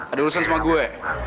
ada urusan sama gue